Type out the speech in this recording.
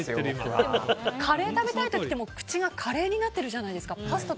カレー食べたい時って口がカレーになってるじゃないですか。